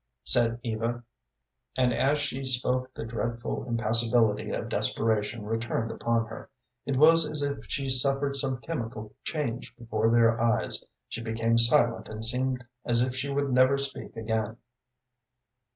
said Eva; and as she spoke the dreadful impassibility of desperation returned upon her. It was as if she suffered some chemical change before their eyes. She became silent and seemed as if she would never speak again.